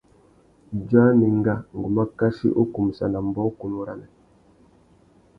Idjô anénga, ngu mà kachi u kumsana mbōkunú râmê.